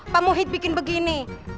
pak muhyiddin bikin begini